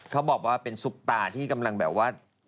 เขาบอกว่าเป็นซุปตาที่กำลังแบบว่า